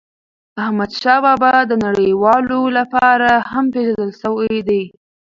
احمدشاه بابا د نړیوالو لپاره هم پېژندل سوی و.